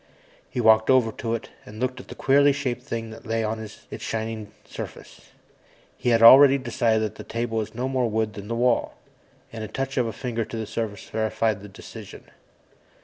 He walked over to it and looked at the queerly shaped things that lay on its shining surface. He had already decided that the table was no more wood than the wall, and a touch of a finger to the surface verified the decision.